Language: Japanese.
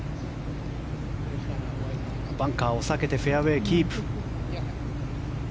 バンカーを避けてフェアウェーキープ。